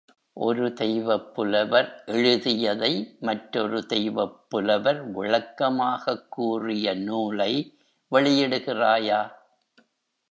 ஒரு தெய்வப் புலவர் எழுதியதை மற்றொரு தெய்வப் புலவர் விளக்கமாகக் கூறிய நூலை வெளியிடுகிறாயா?